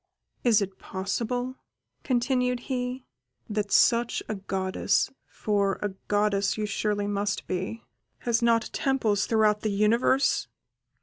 Is it possible," continued he, "that such a goddess (for a goddess you surely must be) has not temples throughout the universe?"